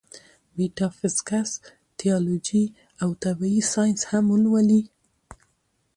ميټافزکس ، تيالوجي او طبعي سائنس هم ولولي